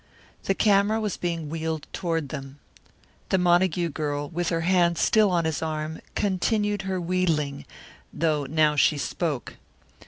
The camera was being wheeled toward them. The Montague girl, with her hand still on his arm, continued her wheedling, though now she spoke.